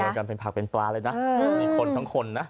กันเป็นผักเป็นปลาเลยนะมีคนทั้งคนนะ